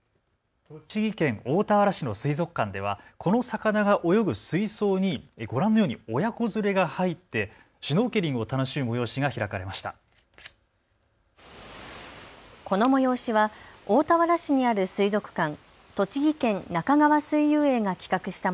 栃木県大田原市の水族館ではこの魚が泳ぐ水槽にご覧のように親子連れが入ってシュノーケリングを楽しむ催しが開かれました。